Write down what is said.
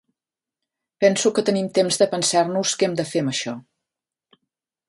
Penso que tenim temps de pensar-nos què hem de fer amb això.